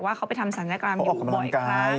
ว่าเขาไปทำศัลยกรรมอยู่บ่อยครั้งออกกำลังกาย